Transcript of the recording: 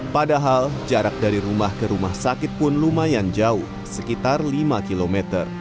padahal jarak dari rumah ke rumah sakit pun lumayan jauh sekitar lima km